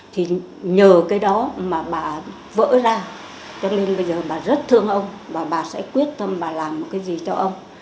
thì nhờ cái đó mà bà vỡ ra cho nên bây giờ bà rất thương ông bà sẽ quyết tâm bà làm một cái gì cho ông